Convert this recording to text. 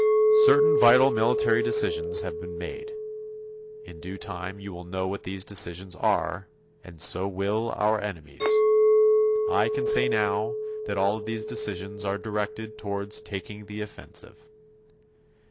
Certain vital military decisions have been made. In due time you will know what these decisions are and so will our enemies. I can say now that all of these decisions are directed toward taking the offensive.